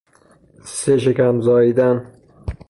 سه شکم زاییدن